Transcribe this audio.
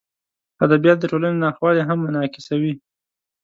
ادبیات د ټولنې ناخوالې هم منعکسوي.